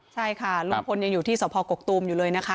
ใช่ค่ะลุงพลยังอยู่ที่สพกกตูมอยู่เลยนะคะ